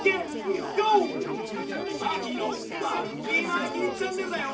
マーキーの「ファンキーマーキーチャンネル」だよ！